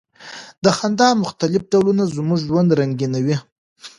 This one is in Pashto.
د خندا مختلف ډولونه زموږ ژوند رنګینوي.